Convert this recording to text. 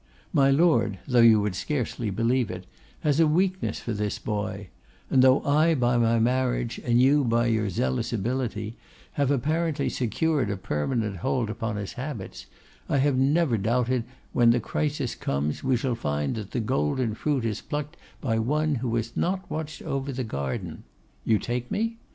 My Lord, though you would scarcely believe it, has a weakness for this boy; and though I by my marriage, and you by your zealous ability, have apparently secured a permanent hold upon his habits, I have never doubted that when the crisis comes we shall find that the golden fruit is plucked by one who has not watched the garden. You take me?